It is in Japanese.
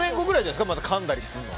またかんだりするのは。